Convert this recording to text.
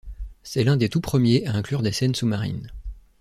C'est l'un des tout premiers à inclure des scènes sous-marines.